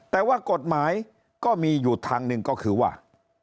แต่ว่ากฎหมายก็มีอยู่ทางหนึ่งก็คือว่า